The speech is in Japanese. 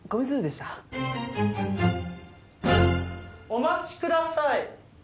お待ちください。